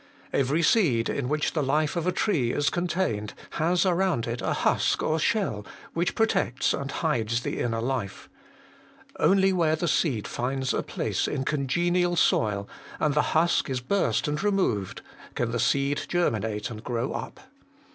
Every seed, in which the life of a tree is contained, has around it a husk or shell, which protects and hides the inner life. Only where the seed finds a place in congenial soil, and the husk is burst and removed, can the seed germi nate and grow up.